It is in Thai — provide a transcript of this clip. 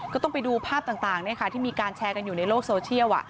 ก็ต้องไปดูภาพต่างที่มีการแชร์กันอยู่ในโลกโซเชียล